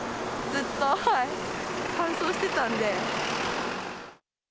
ずっと乾燥してたんで。